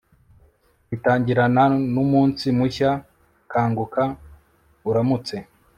bitangirana numunsi mushya .. kanguka uramutse